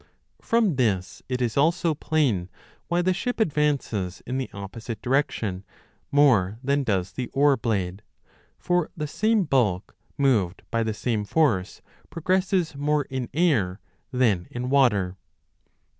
1 From this it is also plain why the ship advances in the opposite direction more than does the oar blade ; for the same bulk moved by the same force progresses more in air than in water.